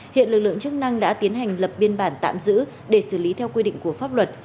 hiện lực lượng chức năng đã tiến hành lập biên bản tạm giữ để xử lý theo quy định của pháp luật